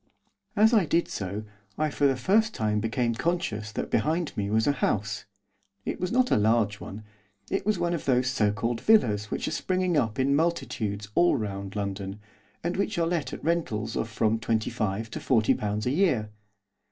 As I did so I for the first time became conscious that behind me was a house. It was not a large one. It was one of those so called villas which are springing up in multitudes all round London, and which are let at rentals of from twenty five to forty pounds a year.